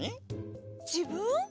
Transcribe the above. じぶん？